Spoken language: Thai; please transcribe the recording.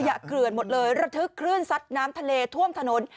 เขื่อนหมดเลยระทึกคลื่นซัดน้ำทะเลท่วมถนน